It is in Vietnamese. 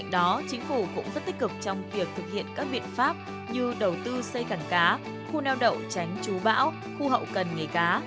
đó chính phủ cũng rất tích cực trong việc thực hiện các biện pháp như đầu tư xây cần cá khu neo đậu tránh chú bão khu hậu cần nghề cá